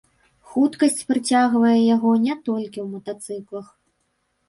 Хуткасць прыцягвае яго не толькі ў матацыклах.